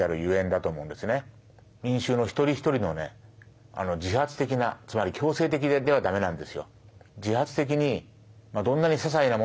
民衆のひとりひとりのね自発的なつまり強制的では駄目なんですよ。